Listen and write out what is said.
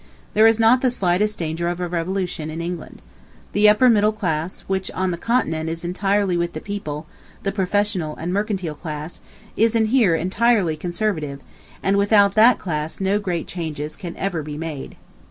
There is not the slightest danger of a revolution in England. The upper middle class, which on the continent is entirely with the people, the professional and mercantile class, is here entirely conservative, and without that class no great changes can ever be made.